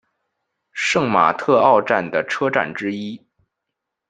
圣马特奥站的车站之一。